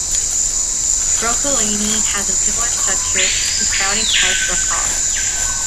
Broccolini has a similar structure to sprouting type broccoli.